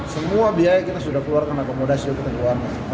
semua biaya kita sudah keluarkan akomodasi kita keluarkan